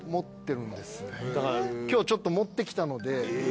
だから今日ちょっと持ってきたので。